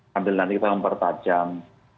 sambil nanti kita mempertajam